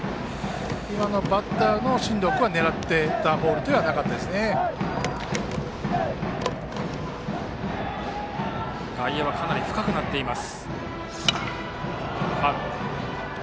バッターの進藤君は狙っていたボールでは外野はかなり深くなっています。